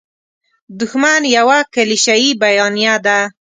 دوښمن یوه کلیشیي بیانیه ده.